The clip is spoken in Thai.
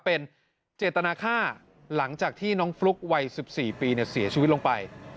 เป็นเจตนาค่าหลังจากที่น้องฟลุ๊กวัย๑๔ปีเสียชีวิตลงไป